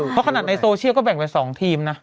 เพราะขนาดในโซเชียลก็แบ่งไป๒ทีมนะ